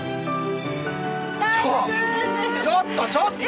ちょっとちょっと！